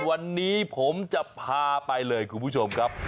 วันนี้ผมจะพาไปเลยคุณผู้ชมครับ